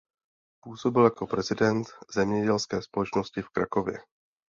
Působil jako prezident Zemědělské společnosti v Krakově.